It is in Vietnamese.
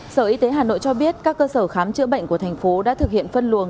sở y tế hà nội cho biết các cơ sở khám chữa bệnh của thành phố đã thực hiện phân luồng